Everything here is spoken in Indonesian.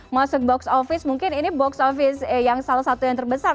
masuk box office mungkin ini box office yang salah satu yang terbesar